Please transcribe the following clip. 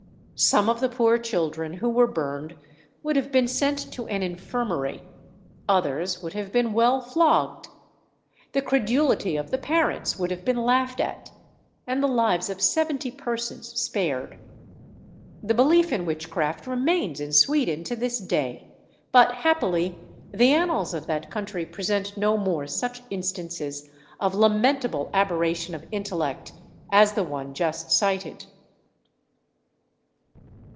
Some of the poor children who were burned would have been sent to an infirmary; others would have been well flogged; the credulity of the parents would have been laughed at; and the lives of seventy persons spared. The belief in witchcraft remains in Sweden to this day; but happily the annals of that country present no more such instances of lamentable aberration of intellect as the one just cited.